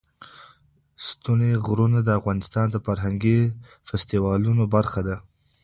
ستوني غرونه د افغانستان د فرهنګي فستیوالونو برخه ده.